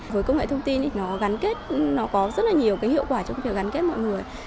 với công nghệ thông tin thì nó gắn kết nó có rất là nhiều cái hiệu quả trong việc gắn kết mọi người